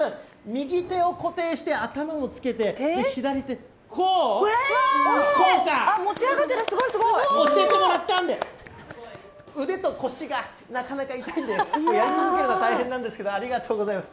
右手を固定して、頭をつけて、左手、こう？持ち上がってる、すごい、教えてもらったんで、腕と腰がなかなか痛いんで、やるの大変なんですけど、ありがとうございます。